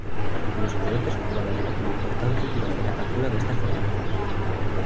Los cohetes jugaron un papel importante durante la captura de estas fortalezas.